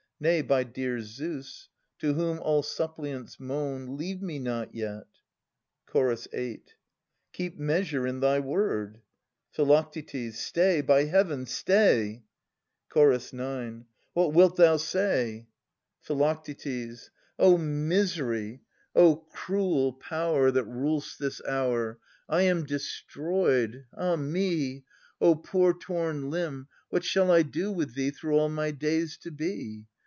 Nay, by dear Zeus, to whom all suppliants main. Leave me not yet! Ch. 8. Keep measure in thy word. Phi. Stay, by Heaven, stay! Ch. 9. What wilt thou say ? n86 iao9] PhUoctetcS 309 Phi. O misery ! O cruel power That ruFst this hour! I am destroyed. Ah me! O poor torn limb, what shall I do with thee Through all my days to be?